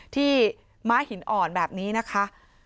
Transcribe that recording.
ที่ไม้หินอ่อนแบบนี้นะคะ